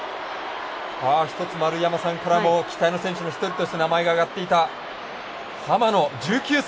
一つ、丸山さんからも期待の選手の一人として名前の挙がっていた浜野１９歳。